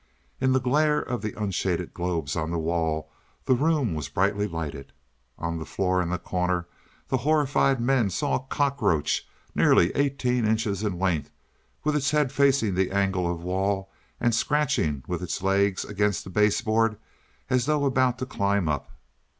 In the glare of the unshaded globes on the wall the room was brightly lighted. On the floor in the corner the horrified men saw a cockroach nearly eighteen inches in length, with its head facing the angle of wall, and scratching with its legs against the base board as though about to climb up.